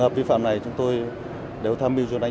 tới đây chúng tôi tiếp tục